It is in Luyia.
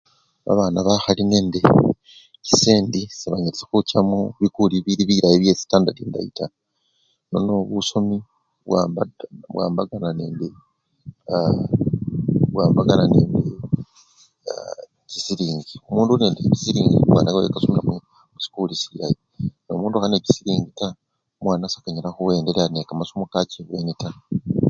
Abana bakhali nende chisendi sebanyalisya khucha mubikuli bili byesitandadi endayi taa nono busomi bwawa! bwawambakana nende aa! bwawambakana nende aa! chisilingi. Omundu uli nechisilingi babana eyikisyila musikuli endayi nomundu okhali nechisiling taa, omwana sekanyala khuendelea nekamasomo kacha ebweni taa.